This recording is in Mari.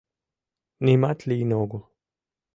Нимат лийын огыл.